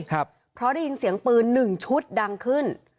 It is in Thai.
เพราะได้ยินเสียงปืนหนึ่งชุดดังขึ้น